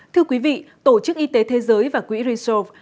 thưa quý vị tổ chức y tế thế giới và quỹ resort